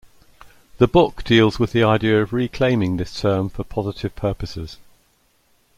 The book deals with the idea of reclaiming this term for positive purposes.